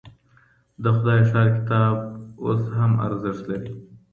د خدای ښار کتاب اوس هم ارزښت لري.